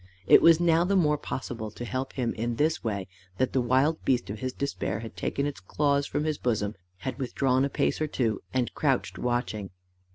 It was now the more possible to help him in this way, that the wild beast of his despair had taken its claws from his bosom, had withdrawn a pace or two, and couched watching.